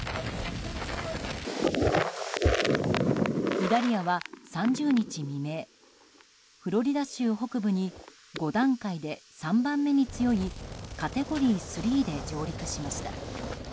イダリアは３０日未明フロリダ州北部に５段階で３番目に強いカテゴリー３で上陸しました。